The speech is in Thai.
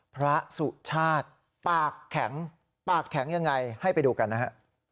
สุชาติปากแข็งปากแข็งยังไงให้ไปดูกันนะฮะ